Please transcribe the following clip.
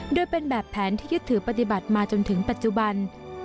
โดยเป็นแบบแผนที่ยึดถือปฏิบัติมาจนถึงปัจจุบัน